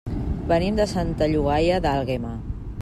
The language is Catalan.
Venim de Santa Llogaia d'Àlguema.